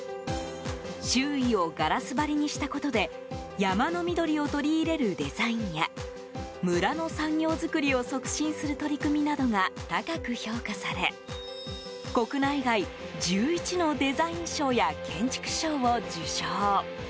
周囲をガラス張りにしたことで山の緑を取り入れるデザインや村の産業づくりを促進する取り組みなどが高く評価され国内外、１１のデザイン賞や建築賞を受賞。